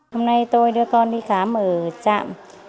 hôm nay tôi đưa con đi khám ở trạm